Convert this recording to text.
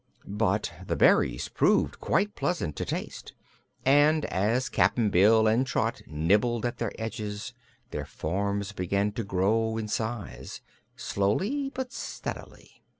But the berries proved quite pleasant to taste and as Cap'n Bill and Trot nibbled at their edges their forms began to grow in size slowly but steadily.